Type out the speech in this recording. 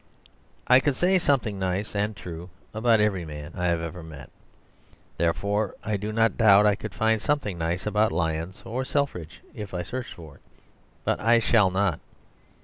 I could say something nice (and true) about every man I have ever met. Therefore, I do not doubt I could find something nice about Lyons or Selfridge if I searched for it. But I shall not.